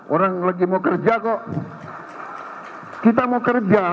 orang lagi mau kerja kok